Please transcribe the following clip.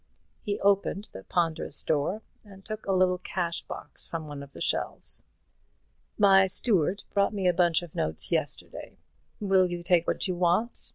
He opened the ponderous door, and took a little cash box from one of the shelves. "My steward brought me a bundle of notes yesterday. Will you take what you want?"